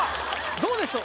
どうでしょう？